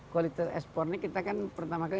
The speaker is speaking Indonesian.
kualitas ekspor ini kita kan pertama kali